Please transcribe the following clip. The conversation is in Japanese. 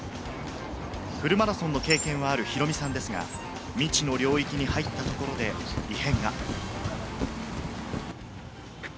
フルマラソンの経験があるヒロミさんですが、未知の領域に入ったところで異変が。